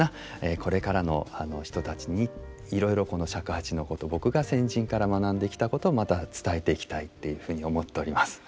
これからの人たちにいろいろこの尺八のこと僕が先人から学んできたことをまた伝えていきたいっていうふうに思っております。